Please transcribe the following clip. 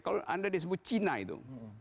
kalau anda disebut cina itu